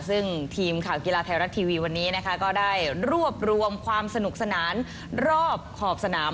ซึ่งทีมข่าวกีฬาไทยรัฐทีวีวันนี้นะคะก็ได้รวบรวมความสนุกสนานรอบขอบสนาม